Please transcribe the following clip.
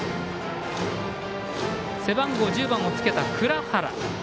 背番号１０番をつけた藏原。